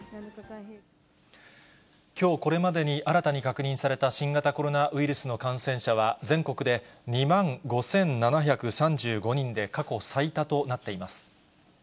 きょう、これまでに新たに確認された新型コロナウイルスの感染者は、全国で２万５７３５人で過去最多となっています。